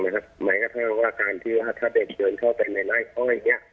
หมายถึงว่าถ้าเด็กเดินเข้าไปในไล่อ้อย